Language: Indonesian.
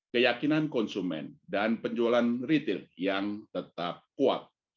keyakinan konsumen dan penjualan retail yang tetap kuat